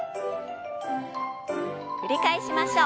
繰り返しましょう。